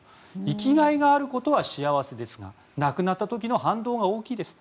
生きがいがあることは幸せですがなくなった時の反動が大きいです。